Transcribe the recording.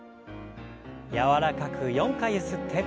柔らかく４回ゆすって。